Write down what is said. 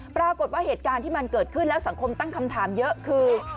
ปรากฏว่าเหตุการณ์ที่มันเกิดขึ้นแล้วสังคมตั้งคำถามเยอะคือ